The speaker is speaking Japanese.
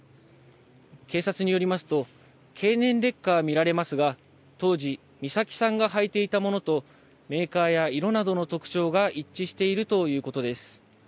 警察によりますと、経年劣化は見られますが、当時、美咲さんが履いていたものとメーカーや色などの特徴が一致しているということです。